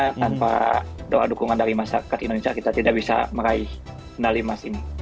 karena tanpa doa dukungan dari masyarakat indonesia kita tidak bisa meraih medali emas ini